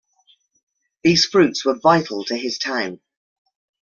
These fruits were vital to his town.